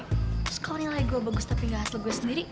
terus kalau nilai gue bagus tapi gak hasil gue sendiri